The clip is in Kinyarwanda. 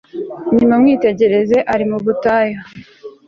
Nimumwitegereze ari mu butayu